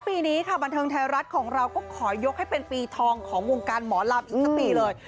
ปีนี้ค่ะบันเทิงไทยรัฐของเราก็ขอยกให้เป็นปีทองของวงการหมอลำอีกสักปีเลย